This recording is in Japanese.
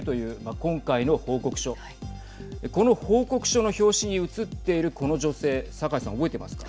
この報告書の表紙に写っているこの女性酒井さん、覚えていますか。